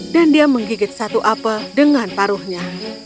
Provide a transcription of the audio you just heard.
dan dia menggigit satu apel dengan paruhnya